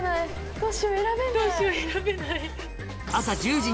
どうしよう選べない。